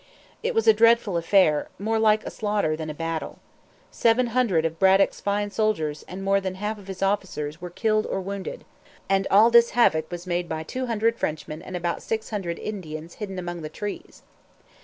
It was a dreadful affair more like a slaughter than a battle. Seven hundred of Braddock's fine soldiers, and more than half of his officers, were killed or wounded. And all this havoc was made by two hundred Frenchmen and about six hundred Indians hidden among the trees.